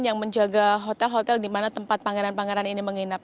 yang menjaga hotel hotel di mana tempat pangeran pangeran ini menginap